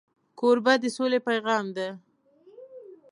کوربه د سولې پیغام دی.